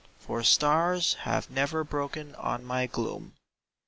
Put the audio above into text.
For stars have never broken on my gloom.